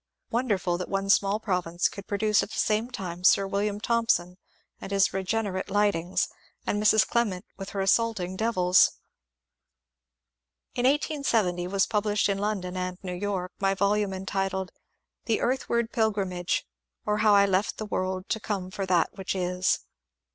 Wonderful that one small province could produce at the same time Sir William Thomson with his regenerate light nings and Mrs. Clement with her assaulting devils 1 In 1870 'was published in London and New York my vol mne entitled ^^ The Earthward Pilgrimage : or how I left the World to Come for that which Is."